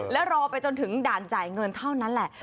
แล้วรอไปจนถึงด่านจ่ายเงินเท่านั้นแหละ